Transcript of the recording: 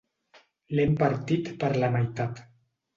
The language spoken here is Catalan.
L'hem partit per la meitat.